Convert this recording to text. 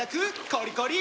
コリコリ！